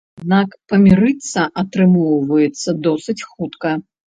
Аднак памірыцца атрымоўваецца досыць хутка.